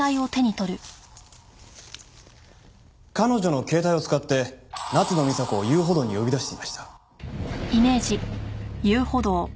彼女の携帯を使って夏野美紗子を遊歩道に呼び出していました。